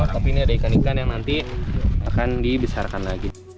tapi ini ada ikan ikan yang nanti akan dibesarkan lagi